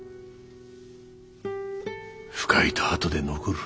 深いとあとで残る。